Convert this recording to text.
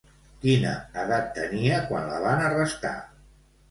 Quina edat tenia quan la van arrestar?